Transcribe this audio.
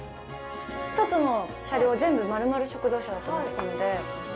一つの車両全部丸々食堂車だと思ってたので。